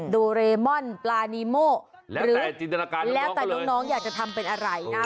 ดูเรมอนปลานีโมแล้วแต่น้องอยากจะทำเป็นอะไรนะ